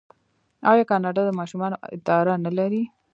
آیا کاناډا د ماشومانو اداره نلري؟